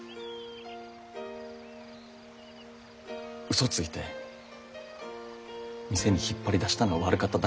ウソついて店に引っ張り出したのは悪かった。